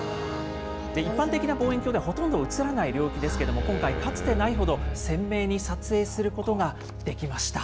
一般的な望遠鏡ではほとんど映らない領域ですけれども、今回、かつてないほど鮮明に撮影することができました。